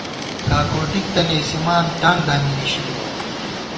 کاکوٹِک تہ نېسِمان، ٹانگ دامی نِشِی تِمہ